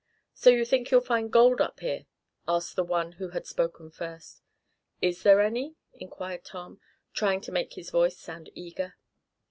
"So you think you'll find gold up here?" asked the one who had first spoken. "Is there any?" inquired Tom, trying to make his voice sound eager.